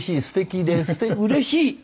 すてきでうれしい。